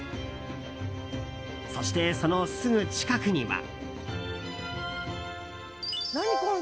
そして、そのすぐ近くには。